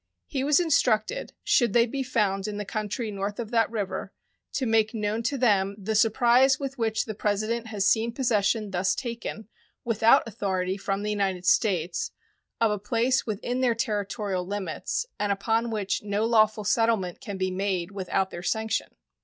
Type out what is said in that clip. He was instructed, should they be found in the country north of that river, to make known to them "the surprise with which the President has seen possession thus taken, without authority from the United States, of a place within their territorial limits, and upon which no lawful settlement can be made without their sanction."